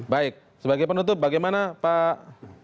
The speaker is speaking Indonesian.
baik sebagai penutup bagaimana pak